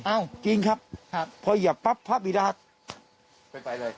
อ้าวจริงครับครับพอเหยียบปั๊บพระบิดาไปไปเลย